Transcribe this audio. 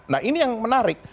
nah ini yang menarik